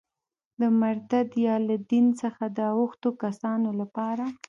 د مرتد یا له دین څخه د اوښتو کسانو لپاره.